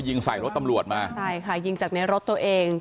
ยิงใส่รถตำรวจมาใช่ค่ะยิงจากในรถตัวเอง